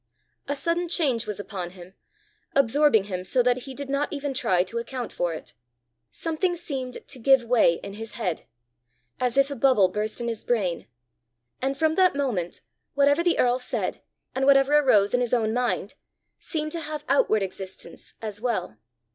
A sudden change was upon him, absorbing him so that he did not even try to account for it: something seemed to give way in his head as if a bubble burst in his brain; and from that moment whatever the earl said, and whatever arose in his own mind, seemed to have outward existence as well.